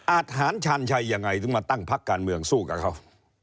ทหารชาญชัยยังไงถึงมาตั้งพักการเมืองสู้กับเขา